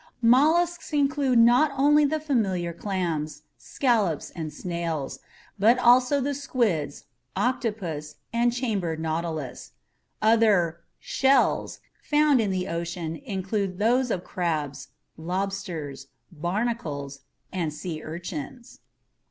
Mollusks include not only the familiar clams, scallops and snails, but also the squids, octopus and Chambered Nautilus. Other "shells" found in the ocean include those of crabs, lobsters, barnacles and sea urchins.